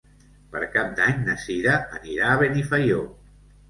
Per Cap d'Any na Cira anirà a Benifaió.